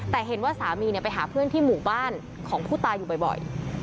แต่เห็นว่าสามีไปหาเพื่อนที่หมู่บ้านของผู้ตายอยู่บ่อย